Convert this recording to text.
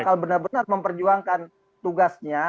itu bakal benar benar memperjuangkan tugasnya